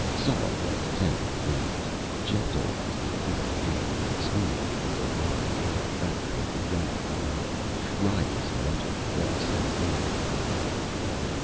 Soft as tender fingers, gentle as the human hand that smooths the awry hair back from the young forehead, Riya's mental caress enfolded Phildee.